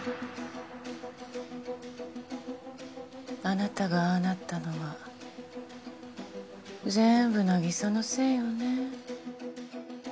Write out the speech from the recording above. あなたがああなったのはぜんぶ凪沙のせいよね。